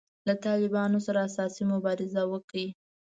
له طالبانو سره اساسي مبارزه وکړي.